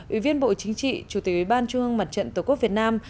ủy viên bộ chính trị chủ tịch ủy ban trung ương mặt trận tổ quốc việt nam